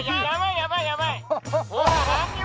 「やばいよやばいよ」